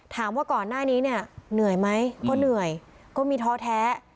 ถามว่าก่อนหน้านี้เนี่ยเหนื่อยไหมก็เหนื่อยก็มีท้อแท้